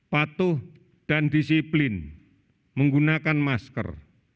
patuh dan disiplin menggunakan masker